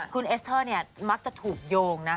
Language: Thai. คุณเอสเตอร์มักจะถูกโยงนะ